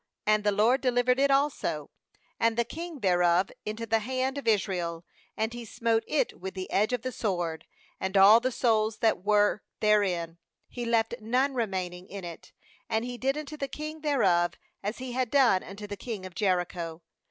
30And the LORD delivered it also, and the king thereof, into the hand of Israel; and he smote it with the edge of the sword, and all the souls that were therein; he left none remaining in it; and he did unto the king thereof as he had done unto the king of Jericho.